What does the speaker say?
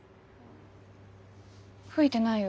吹いてないよ。